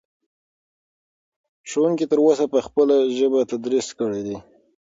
ښوونکي تر اوسه په خپله ژبه تدریس کړی دی.